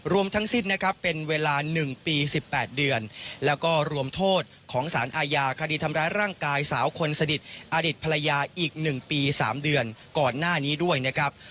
รวมทั้งสิ้นนะครับเป็นเวลา๑ปี๑๘เดือนแล้วก็รวมโทษของสารอาญาคดีทำร้ายร่างกายสาวคนสนิทอดิตภรรยาอีก๑ปี๓เดือนก่อนหน้านี้ด้วยนะครับ